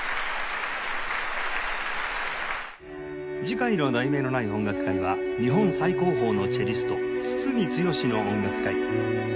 次回の『題名のない音楽会』は「日本最高峰のチェリスト・堤剛の音楽会」